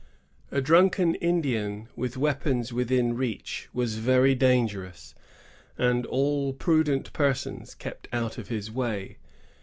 A drunken Indian, with weapons withm reach, was very dangerous, and all prudent persons kept out of his way.